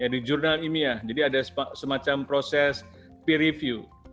di jurnal ilmiah jadi ada semacam proses peer review